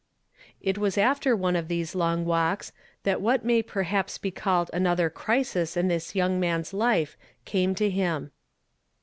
It was after one of these long walks that what may perhaps be called another crisis in this young man's life came to him.